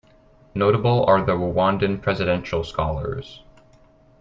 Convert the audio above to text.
Notable are the Rwandan Presidential Scholars.